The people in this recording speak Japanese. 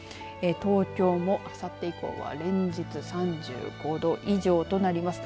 東京もあさって以降は連日３５度以上となります。